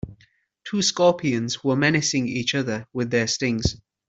Two scorpions were menacing each other with their stings.